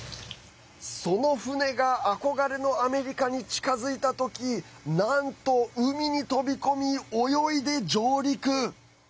その船が憧れのアメリカに近づいた時なんと海に飛び込み、泳いで上陸。